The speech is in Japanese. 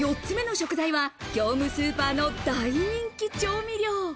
４つ目の食材は業務スーパーの大人気調味料。